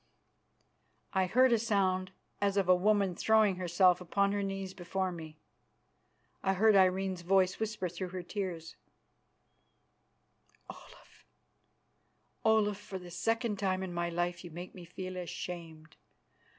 I heard a sound as of a woman throwing herself upon her knees before me. I heard Irene's voice whisper through her tears, "Olaf, Olaf, for the second time in my life you make me feel ashamed.